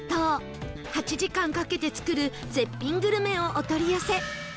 ８時間かけて作る絶品グルメをお取り寄せ